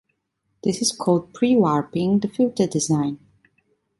This is called pre-warping the filter design.